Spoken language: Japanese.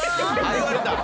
言われた。